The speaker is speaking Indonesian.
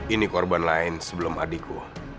ini korban lain sebelum adikku